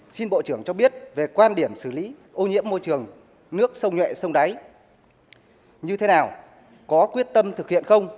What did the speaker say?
xin bộ trưởng cho biết về quan điểm xử lý ô nhiễm môi trường nước sông nhuệ sông đáy như thế nào có quyết tâm thực hiện không